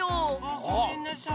ごめんなさい。